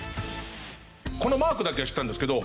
このマークだけは知ってたんですけど。